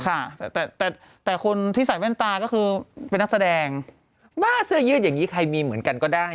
ค่ะแต่แต่คนที่ใส่แว่นตาก็คือเป็นนักแสดงว่าเสื้อยืดอย่างนี้ใครมีเหมือนกันก็ได้